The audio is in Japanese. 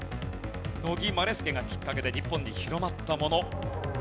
乃木希典がきっかけで日本に広まったもの。